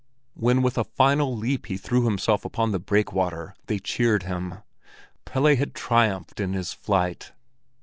When with a final leap he threw himself upon the breakwater, they cheered him. Pelle had triumphed in his flight!